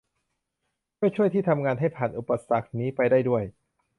เพื่อช่วยที่ทำงานให้ผ่านอุปสรรคนี้ไปได้ด้วย